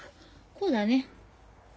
こうだね。